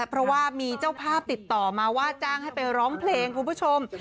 เพราะว่ามีเจ้าภาพติดต่อมาว่าจ้างให้ไปร้องเพลงคุณผู้ชม